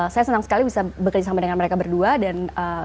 saya senang sekali bisa bekerja sama dengan mereka berdua dan